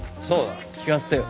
聴かせてよ。